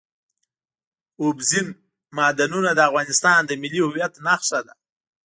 اوبزین معدنونه د افغانستان د ملي هویت نښه ده.